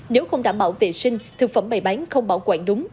nếu không đảm bảo vệ sinh thực phẩm bày bán không bảo quản đúng